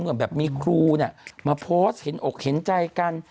เหมือนแบบมีครูมาโพสต์เห็นอกเห็นใจกัน